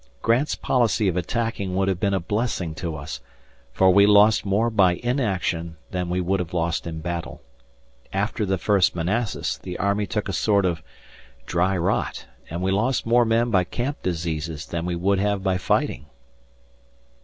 Grant's policy of attacking would have been a blessing to us, for we lost more by inaction than we would have lost in battle. After the first Manassas the army took a sort of 'dry rot', and we lost more men by camp diseases than we would have by fighting."